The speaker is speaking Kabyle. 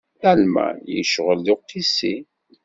Lalman yecɣel d uqisi.